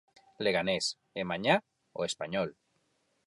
Leganés e mañá o Español.